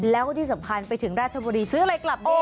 แล้วก็ที่สำคัญไปถึงราชบุรีซื้ออะไรกลับดี